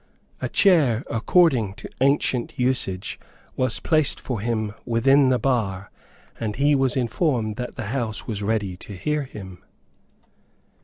A chair, according to ancient usage, was placed for him within the bar; and he was informed that the House was ready to hear him.